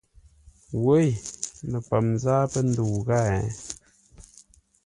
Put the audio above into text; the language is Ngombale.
Wěi! Ləpəm zâa pə́ ndə́u ghâa hěiŋ!